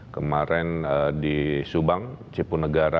kemarin di subang cipunegara